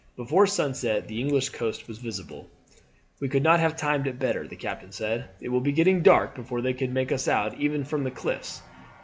Before sunset the English coast was visible. "We could not have timed it better," the captain said. "It will be getting dark before they can make us out even from the cliffs."